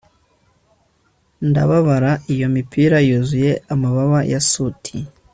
Ndabara iyo mipira yuzuye amababa ya soot